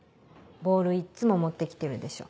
ボールいつも持って来てるでしょ。